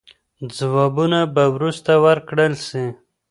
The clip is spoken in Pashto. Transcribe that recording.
ځوابونه به وروسته ورکړل سي.